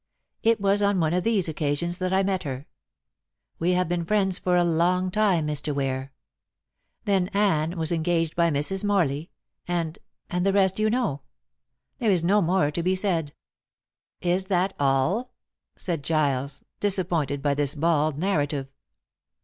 It was on one of these occasions that I met her. We have been friends for a long time, Mr. Ware. Then Anne was engaged by Mrs. Morley, and and the rest you know. There is no more to be said." "Is that all?" said Giles, disappointed by this bald narrative.